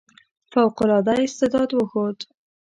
فوق العاده استعداد وښود.